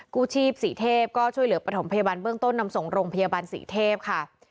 กู้ชีพศรีเทพก็ช่วยเหลือประถมพยาบาลเบื้องต้นนำส่งโรงพยาบาลศรีเทพค่ะ